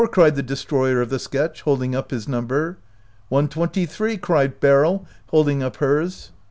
cried the destroyer of the sketch, holding up his number. " One twenty three !" cried Beryl, hold ing up hers.